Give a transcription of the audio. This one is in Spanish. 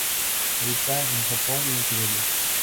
Habita en Japón y Siberia.